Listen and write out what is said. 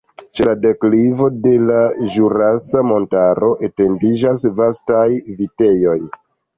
Ĉe la deklivo de la Ĵurasa Montaro etendiĝas vastaj vitejoj.